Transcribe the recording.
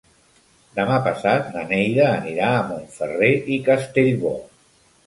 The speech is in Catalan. Demà passat na Neida anirà a Montferrer i Castellbò.